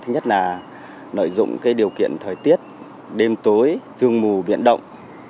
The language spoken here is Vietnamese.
những điều kiện thời tiết đêm tối sương mù biển động